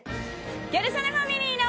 『ギャル曽根ファミリーの』。